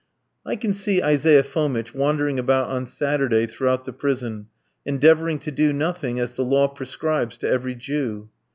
I can see Isaiah Fomitch wandering about on Saturday throughout the prison, endeavouring to do nothing, as the law prescribes to every Jew.